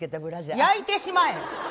焼いてしまえ！